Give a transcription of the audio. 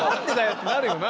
ってなるよな。